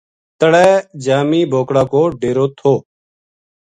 تلے جامی بوکڑا کو ڈیرو تھو